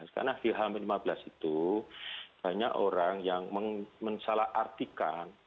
karena di h lima belas itu banyak orang yang mensalah artikan